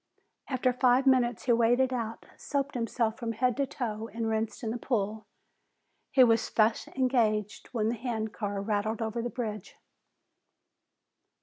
After five minutes he waded out, soaped himself from head to foot, and rinsed in the pool. He was thus engaged when the handcar rattled over the bridge.